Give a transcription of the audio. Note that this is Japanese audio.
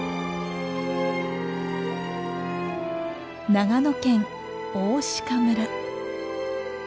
長野県大鹿村。